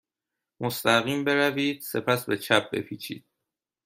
مستقیم بروید. سپس به چپ بپیچید.